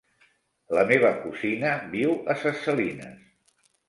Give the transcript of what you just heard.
La meva cosina viu a Ses Salines.